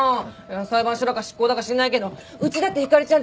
裁判所だか執行だか知んないけどうちだってひかりちゃん